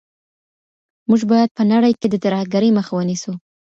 موږ باید په نړۍ کي د ترهګرۍ مخه ونیسو.